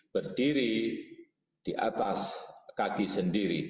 berdiri di atas kaki sendiri